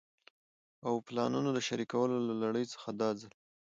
او پلانونو د شريکولو له لړۍ څخه دا ځل